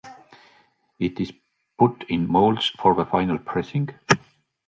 It is put in molds for the final pressing.